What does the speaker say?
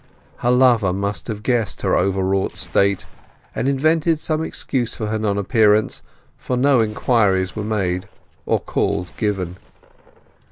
Her lover must have guessed her overwrought state, and invented some excuse for her non appearance, for no inquiries were made or calls given.